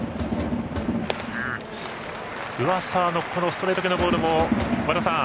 上沢のストレート系のボールも和田さん